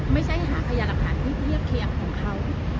ไม่ใช่หาพยาหลักฐานที่เทียบเคียงของเขา